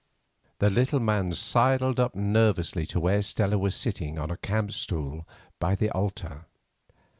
The little man sidled up nervously to where Stella was sitting on a camp stool by the altar.